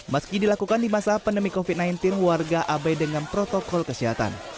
meski dilakukan di masa pandemi covid sembilan belas warga abai dengan protokol kesehatan